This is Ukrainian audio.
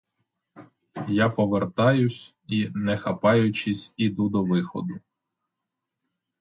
Я повертаюсь і, не хапаючись, іду до виходу.